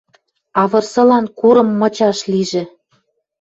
А вырсылан курым мычаш лижӹ!